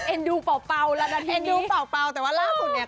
เอ็นดูเป่าละนะทีนี้เอ็นดูเป่าแต่ว่าล่าสุดเนี่ย